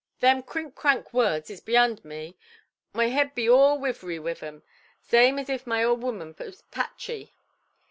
"Them crink–crank words is beyand me. Moy head be awl wivvery wi' 'em, zame as if my old ooman was patchy".